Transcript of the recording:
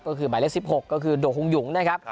ก็คือหมายเลข๑๖ก็คือโดฮงหยุงนะครับ